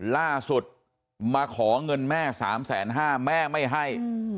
ล่าสุดมาขอเงินแม่๓๕๐๐แม่ไม่ให้